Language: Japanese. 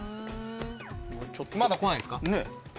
まだ来ないですか？